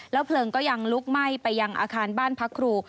เพลิงก็ยังลุกไหม้ไปยังอาคารบ้านพักครู